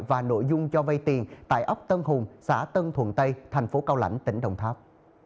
và nội dung cho vây tiền tại ốc tân hùng xã tân thuần tây thành phố cao lãnh tỉnh đồng tháp